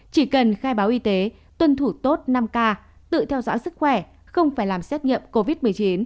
chỉ cần khai báo y tế tuân thủ tốt năm k tự theo dõi sức khỏe không phải làm xét nghiệm covid một mươi chín